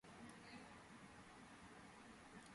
დაწესებულია ალექსანდრე ჯავახიშვილის სახელობის პრემია.